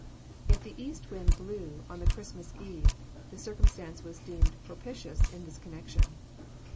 If the east wind blew on the Christmas eve the circumstance was deemed propitious in this connection.